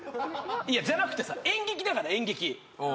いやじゃなくてさ演劇だから演劇あ